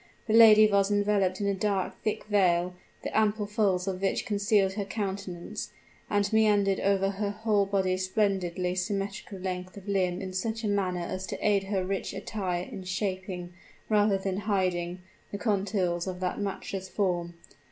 The lady was enveloped in a dark, thick veil, the ample folds of which concealed her countenance, and meandered over her whole body's splendidly symmetrical length of limb in such a manner as to aid her rich attire in shaping, rather than hiding, the contours of that matchless form.